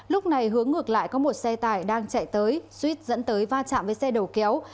lúc này hướng ngược lại có một xe tải đang chạy tới suýt dẫn tới va chạm với xe đầu kéo